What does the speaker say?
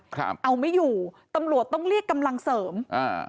ครับเอาไม่อยู่ตำรวจต้องเรียกกำลังเสริมอ่า